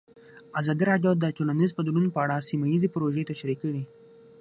ازادي راډیو د ټولنیز بدلون په اړه سیمه ییزې پروژې تشریح کړې.